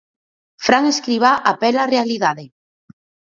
Fran Escribá apela á realidade.